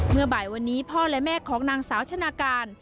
เมื่อบ่ายวันนี้พ่อและแม่ของนางสาวชนะการ